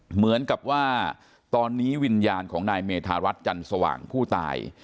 เหมือนกับว่าตอนนี้วิญญาณของนายเมธารัฐจันทร์สว่างผู้ตาย